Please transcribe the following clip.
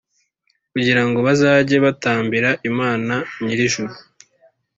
kugira ngo bazajye batambira Imana nyir ijuru